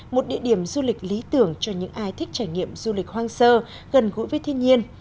một địa điểm du lịch lý tưởng cho những ai thích trải nghiệm du lịch hoang sơ gần gũi với thiên nhiên